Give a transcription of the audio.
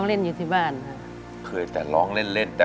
หลายเดือนแล้วเริ่มตั้งแต่